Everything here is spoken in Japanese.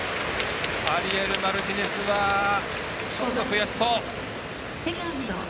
アリエル・マルティネスはちょっと悔しそう。